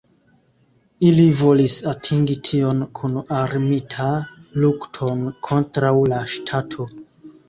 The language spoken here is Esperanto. Ili volis atingi tion kun armita lukton kontraŭ la ŝtato.